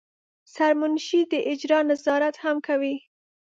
سرمنشي د اجرا نظارت هم کوي.